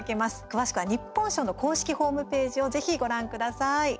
詳しくは日本賞の公式ホームページをぜひ、ご覧ください。